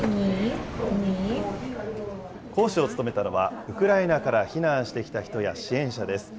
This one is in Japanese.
講師を務めたのは、ウクライナから避難してきた人や支援者です。